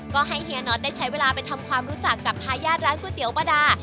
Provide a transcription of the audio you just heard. ก็ให้เฮียน็อตได้ใช้เวลาไปทำความรู้จักกับทายาทร้านก๋วยเตี๋ยวประดา